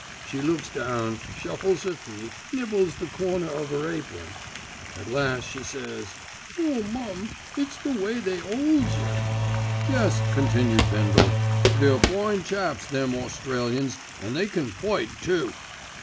She looks down, shuffles 'er feet, nibbles the corner of 'er apron. At last she says, 'Oh, mum, it's the way they 'olds yer.' "Yes," continued Bindle, "they're fine chaps them Australians, an' they can fight too."